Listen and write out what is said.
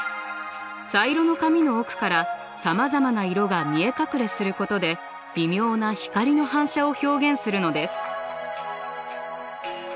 茶色の髪の奥からさまざまな色が見え隠れすることで微妙な光の反射を表現するのです。